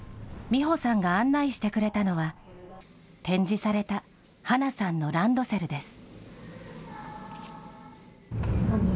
実穂さんが案内してくれたのは、展示された巴那さんのランドセルです。